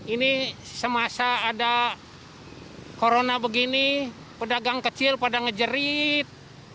ini semasa ada corona begini pedagang kecil pada ngejerit